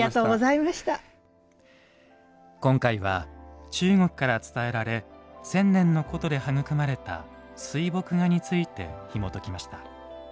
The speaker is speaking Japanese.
今回は中国から伝えられ千年の古都で育まれた「水墨画」についてひもときました。